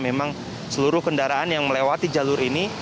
memang seluruh kendaraan yang melewati jalur ini